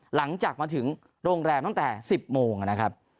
หลังจากมาถึงโรงแรมตั้งแต่๑๐โมงนะครับ